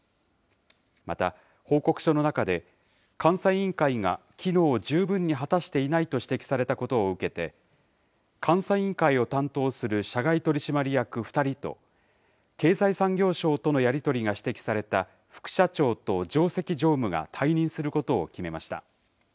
また、報告書の中で、監査委員会が機能を十分に果たしていないと指摘されたことを受けて、監査委員会を担当する社外取締役２人と、経済産業省とのやり取りが指摘された副社長と上席常務が退任することを決めました。